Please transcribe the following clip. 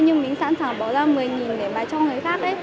nhưng mình sẵn sàng bỏ ra một mươi nghìn để mà cho người khác